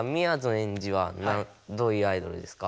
エンジはどういうアイドルですか？